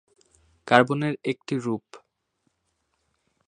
কার্বনের একটি রূপ।